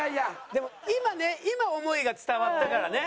でも今ね今想いが伝わったからね。